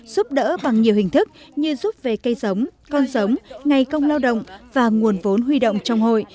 giúp đỡ bằng nhiều hình thức như giúp về cây giống con giống ngày công lao động và nguồn vốn huy động trong hội